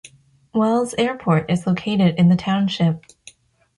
Wells Airport is located in the township.